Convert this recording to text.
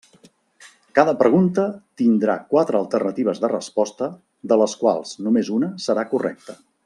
Cada pregunta tindrà quatre alternatives de resposta de les quals només una serà correcta.